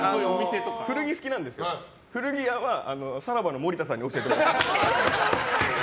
古着好きなんですけど古着屋はさらばの森田さんに教えてもらいました。